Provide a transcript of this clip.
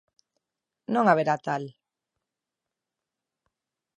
Non haberá tal.